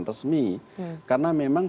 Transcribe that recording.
resmi karena memang